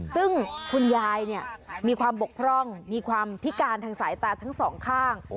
ซึ่งคุณยายเนี่ยมีความบกพร่องมีความพิการทางสายตาทั้งสองข้าง